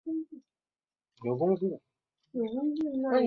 电影没有明确提及被指种族灭绝亚美尼亚人的土耳其。